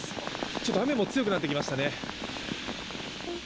ちょっと雨も強くなってきましたね。